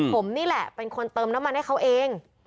ผมนี่แหละเป็นคนเติมน้ำมันให้เขาเอง